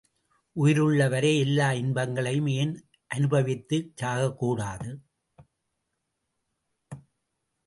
உயிருள்ள வரை எல்லா இன்பங்களையும் ஏன் அனுபவித்துச் சாகக்கூடாது?